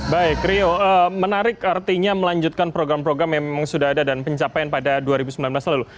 baik rio menarik artinya melanjutkan program program yang memang sudah ada dan pencapaian pada dua ribu sembilan belas lalu